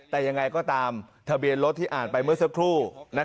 แต่ยังไงก็ตามทะเบียนรถที่อ่านไปเมื่อสักครู่